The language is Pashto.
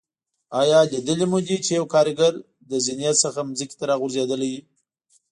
آیا مو لیدلي چې یو کاریګر له زینې څخه ځمکې ته راغورځېدلی وي.